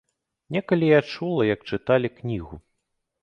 Некалі я чула, як чыталі кнігу.